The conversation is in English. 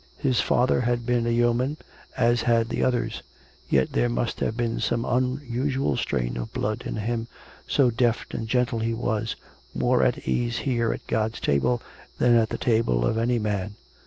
His father had been a yeoman, as had the other's ; yet there must have been some unusual strain of blood in him, so deft and gentle he was — more at his ease here at God's Table than at the table of any man.